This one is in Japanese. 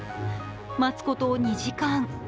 待つこと２時間。